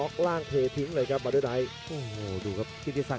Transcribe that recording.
กันต่อแพทย์จินดอร์